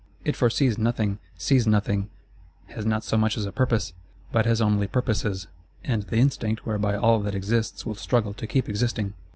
It foresees nothing, sees nothing; has not so much as a purpose, but has only purposes,—and the instinct whereby all that exists will struggle to keep existing.